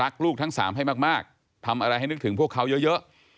ลูกทั้งสามให้มากทำอะไรให้นึกถึงพวกเขาเยอะ